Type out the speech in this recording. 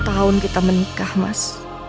dua puluh tahun kita menikah mas